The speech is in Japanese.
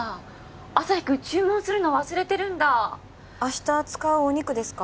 旭君注文するの忘れてるんだ明日使うお肉ですか？